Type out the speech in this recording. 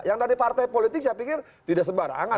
yang dari partai politik saya pikir tidak sembarangan